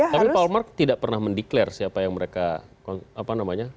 tapi paul mark tidak pernah mendeklarasi siapa yang mereka apa namanya